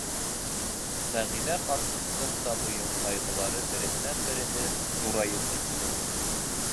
Сәғиҙә ҡарсыҡтың да быйыл ҡайғылары береһенән-береһе ҙурайып китте.